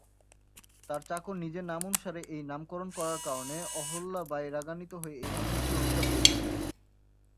তার চাকর নিজের নাম অনুসারে এই নামকরণ করার কারণে অহল্যা বাই রাগান্বিত হয়ে এই মন্দিরটি অভিশাপ দিয়েছিলেন।